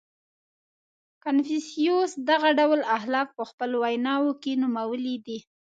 • کنفوسیوس دغه ډول اخلاق په خپلو ویناوو کې نومولي دي.